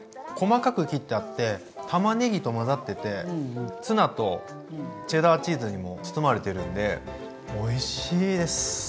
細かく切ってあってたまねぎと混ざっててツナとチェダーチーズにも包まれてるんでおいしいです。